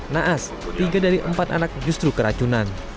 naas tiga dari empat anak justru keracunan